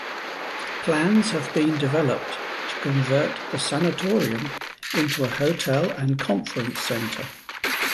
Plans have been developed to convert the sanatorium into a hotel and conference center.